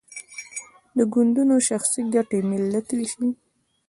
د ګوندونو شخصي ګټې ملت ویشي.